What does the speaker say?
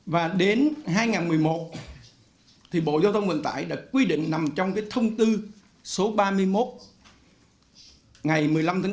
và đến hai nghìn một mươi một thì bộ giao thông vật tải đã quy định nằm trong cái thông tư số ba mươi một ngày một mươi năm bốn hai nghìn một mươi một